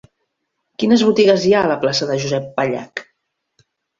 Quines botigues hi ha a la plaça de Josep Pallach?